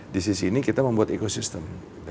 di sisi ini kita membuat ekosistem